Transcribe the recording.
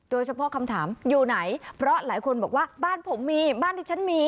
คำถามอยู่ไหนเพราะหลายคนบอกว่าบ้านผมมีบ้านที่ฉันมี